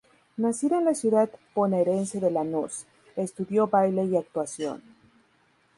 Nacida en la ciudad bonaerense de Lanús, estudió baile y actuación.